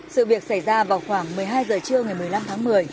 sự việc xảy ra vào khoảng một mươi hai giờ trưa ngày một mươi năm tháng một mươi